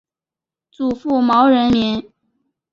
祖父毛仁民。